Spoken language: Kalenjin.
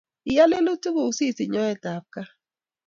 Iyan lelutik kuuk si sich nyoet ab kat